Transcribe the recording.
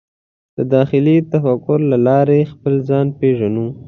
د داخلي تفکر له لارې خپل ځان پېژنو.